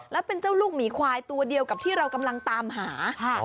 แล้วเป็นเจ้าลูกหมีควายตัวเดียวกับที่เรากำลังตามหา